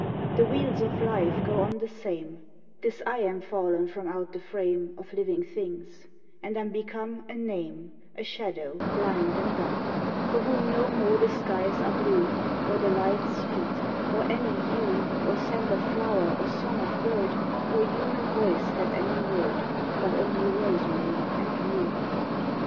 ] The wheels of life go on the same, — 'Tis I am fallen from out the frame Of living things, and am become A name, a shadow, blind and dumb, For whom no more the skies are blue, Or the light sweet, or any hue, Or scent of flower, or song of bird, Or human voice hath any word, But only rosemary and rue.